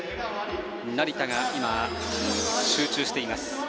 成田、集中しています。